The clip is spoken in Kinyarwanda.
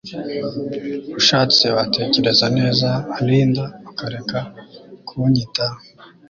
ushatse watekereza neza Linda ukareka kunyita